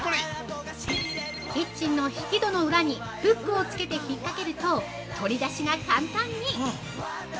◆キッチンの引き戸の裏にフックを付けてひっかけると取り出しが簡単に！